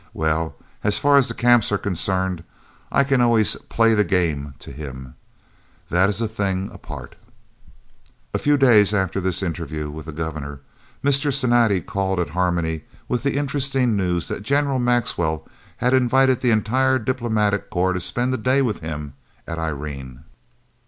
Well, as far as the Camps are concerned, I can always 'play the game' to him. That is a thing apart." A few days after this interview with the Governor, Mr. Cinatti called at Harmony with the interesting news that General Maxwell had invited the entire Diplomatic Corps to spend a day with him at Irene.